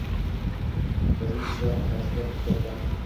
Bizning Shiroq, qaysidir bir tong